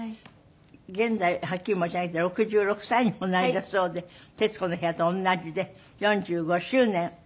現在はっきり申し上げて６６歳におなりだそうで『徹子の部屋』と同じで４５周年お迎えになりました。